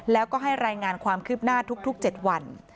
แล้วก็ให้รายงานความคืบหน้าทุก๗วัน